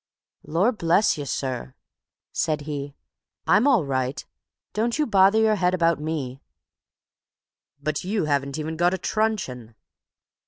"Lor' bless you, sir," said he, "I'm all right; don't you bother your head about me." "But you haven't even got a truncheon!"